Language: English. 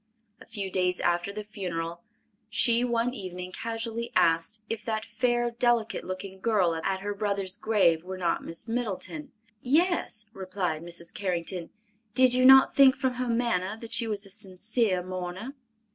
A few days after the funeral she one evening casually asked, if that fair, delicate looking girl at her brother's grave were not Miss Middleton? "Yes," replied Mrs. Carrington. "Did you not think from her manner that she was a sincere mourner?"